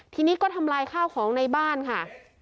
ทีนี้ก็ทำลายข้าวของในบ้านค่ะ